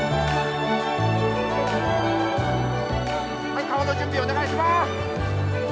はい、顔の準備お願いします。